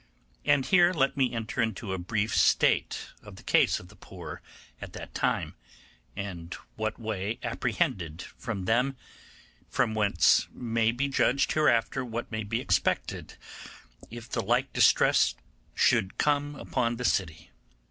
And here let me enter into a brief state of the case of the poor at that time, and what way apprehended from them, from whence may be judged hereafter what may be expected if the like distress should come upon the city.